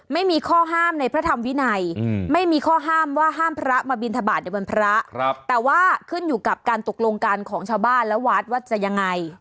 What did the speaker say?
ไม่มีข้อห้ามว่าห้ามพระมาบินทบาทในวันพระแต่ว่าขึ้นอยู่กับการตกลงการของชาวบ้านและวัดว่าจะยังไง